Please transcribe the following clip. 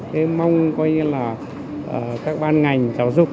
thế mong coi như là các ban ngành giáo dục